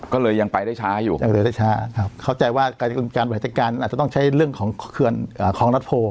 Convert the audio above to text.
ก็เลยยังไปได้ช้าอยู่เลยได้ช้าครับเข้าใจว่าการบริหารจัดการอาจจะต้องใช้เรื่องของเขื่อนคลองรัฐโพ